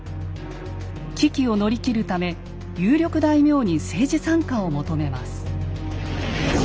危機を乗り切るため有力大名に政治参加を求めます。